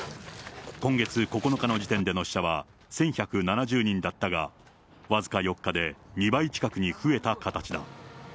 今月９日の時点での死者は１１７０人だったが、僅か４日で２倍近くに増えた形だ。